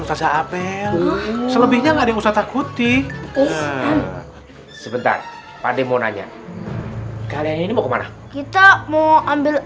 usaha apel selebihnya takut sebentar pada mau nanya kalian mau kemana kita mau ambil